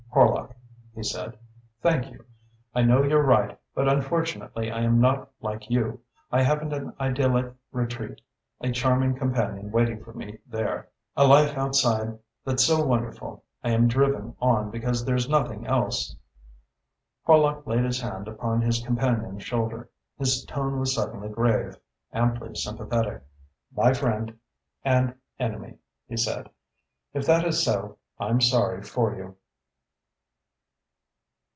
"Horlock," he said, "thank you. I know you're right but unfortunately I am not like you. I haven't an idyllic retreat, a charming companion waiting for me there, a life outside that's so wonderful. I am driven on because there's nothing else." Horlock laid his hand upon his companion's shoulder. His tone was suddenly grave amply sympathetic. "My friend and enemy," he said. "If that is so I'm sorry for you."